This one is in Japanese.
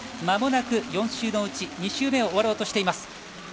まもなく４周のうち、２周目が終わろうとしています。